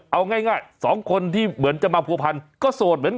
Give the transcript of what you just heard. เอาง่ายสองคนที่เหมือนจะมาผัวพันก็โสดเหมือนกัน